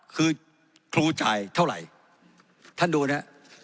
คือครูจ่ายเท่าไหร่ท่านดูนะฮะ